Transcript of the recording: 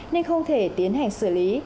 nên không thể tiến hành xử lý